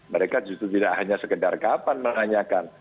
mereka justru tidak hanya sekedar kapan menanyakan